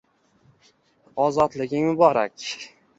«Ozodliging muborak!»